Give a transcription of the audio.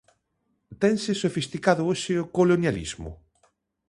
Tense sofisticado hoxe o colonialismo?